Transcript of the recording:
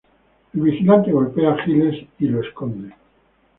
El vigilante golpea a Giles y lo esconde.